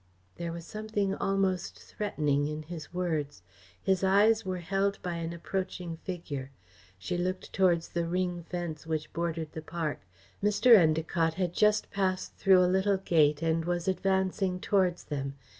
There was something almost threatening in his words. His eyes were held by an approaching figure. She looked towards the ring fence which bordered the park. Mr. Endacott had just passed through a little gate and was advancing towards them.